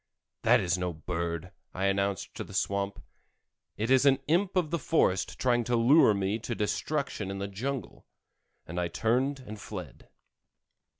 "That is no bird," I announced to the swamp; "it is an imp of the forest trying to lure me to destruction in the jungle," and I turned and fled.